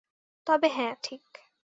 তবে, হ্যাঁ, ঠিক।